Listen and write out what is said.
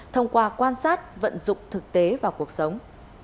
thông qua quan sát vận dụng thực tế vào cuộc sống